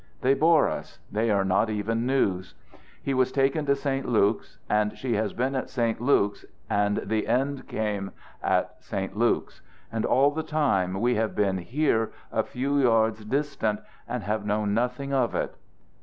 They bore us; they are not even news. He was taken to St. Luke's, and she has been at St. Luke's, and the end came at St. Luke's, and all the time we have been here a few yards distant and have known nothing of it.